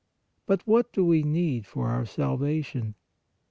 But what do we need for our salvation?